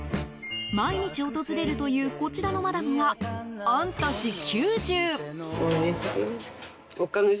毎日訪れるというこちらのマダムは、御年９０。